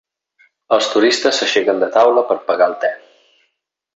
Els turistes s'aixequen de taula per pagar el te.